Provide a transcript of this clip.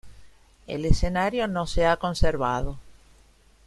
El escenario no se ha conservado.